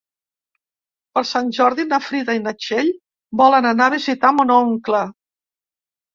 Per Sant Jordi na Frida i na Txell volen anar a visitar mon oncle.